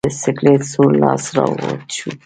د سکلیټ سور لاس راوت شو.